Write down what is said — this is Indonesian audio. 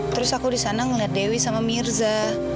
terus aku disana ngeliat dewi sama mirza